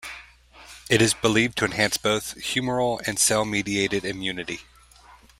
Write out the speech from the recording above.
It is believed to enhance both humoral and cell-mediated immunity.